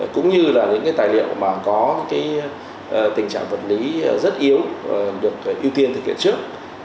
cũng như là những tài liệu mà có tình trạng vật lý rất yếu được ưu tiên thực hiện trước